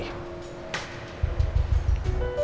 ya tapi terlepas dari itu semua